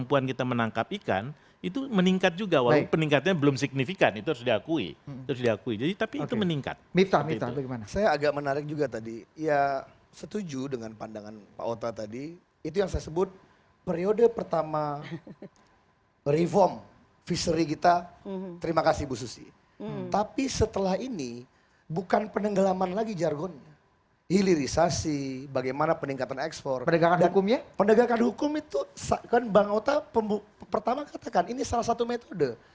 pendegangan hukum itu kan bang ota pertama katakan ini salah satu metode